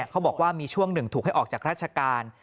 เขาบอกว่ามีช่วงหนึ่งถูกให้ออกจากราชการ